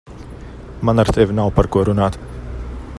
Man ar tevi nav par ko runāt.